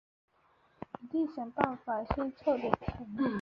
一定想办法先凑点钱